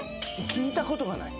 聞いたことがない。